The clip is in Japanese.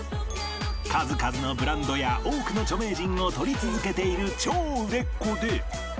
数々のブランドや多くの著名人を撮り続けている超売れっ子で